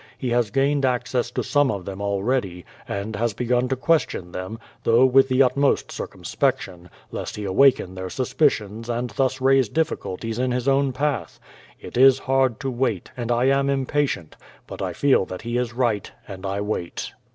He has gained access to some of them already, and has begun to question them, though with the utmost cireumsiiection, lest he awaken their suspicions and thus raise difficulties in his own path. It is hard to wait, and I am impatient, but I feel that he is right, and I wait.